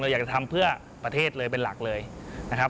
อยากจะทำเพื่อประเทศเลยเป็นหลักเลยนะครับ